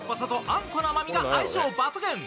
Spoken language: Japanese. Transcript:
あんこの甘みが相性抜群。